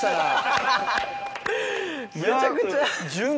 めちゃくちゃ。